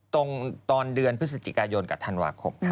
ตอนเดือนพฤศจิกายนกับธันวาคม